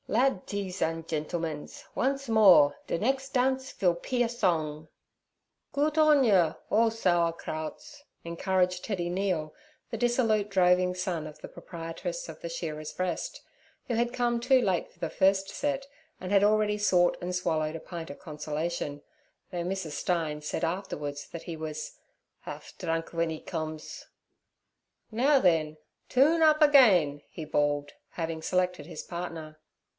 'Ladtties and gentlemens, once more, der nex' dance vill pe a song.' 'Goot on yer, ole sour crouts' encouraged Teddy Neale, the dissolute droving son of the proprietress of the Shearers' Rest, who had come too late for the first set and had already sought and swallowed a pint of consolation, though Mrs. Stein said afterwards that he was 'haff drung wen 'e koms.' 'Now then, toon up again' he bawled, having selected his partner.